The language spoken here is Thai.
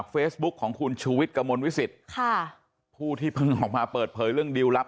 เฟซบุ๊คของคุณชูวิทย์กระมวลวิสิตค่ะผู้ที่เพิ่งออกมาเปิดเผยเรื่องดิวลลับ